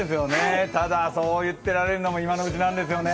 ただそう言ってられるのも今のうちなんですよね。